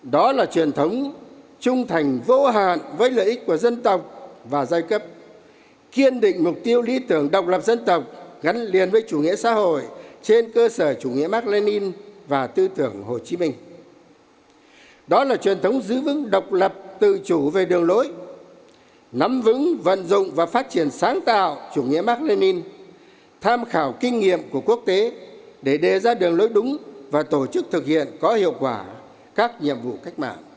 đó là truyền thống giữ vững độc lập tự chủ nghĩa mạc lê ninh tham khảo kinh nghiệm của quốc tế để đề ra đường lối nắm vững vận dụng và phát triển sáng tạo chủ nghĩa mạc lê ninh tham khảo kinh nghiệm của quốc tế để đề ra đường lối đúng và tổ chức thực hiện có hiệu quả